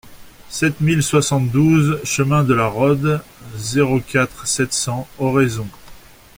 sept mille soixante-douze chemin de la Rhôde, zéro quatre, sept cents, Oraison